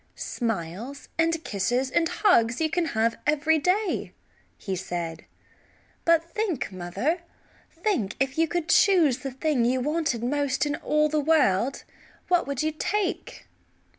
"Smiles and kisses and hugs you can have every day," he said, "but think, mother, think, if you could choose the thing you wanted most in all the world what would you take?"